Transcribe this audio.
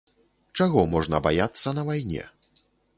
Чаго можна баяцца на вайне?